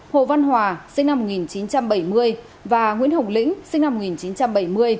hồ văn hòa sinh năm một nghìn chín trăm bảy mươi và nguyễn hồng lĩnh sinh năm một nghìn chín trăm bảy mươi